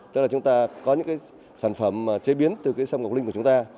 tức là chúng ta có những cái sản phẩm chế biến từ cái sâm ngọc linh của chúng ta